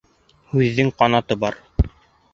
Һүҙҙең ҡанаты бар.